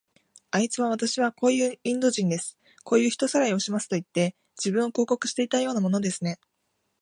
あいつは、わたしはこういうインド人です。こういう人さらいをしますといって、自分を広告していたようなものですね。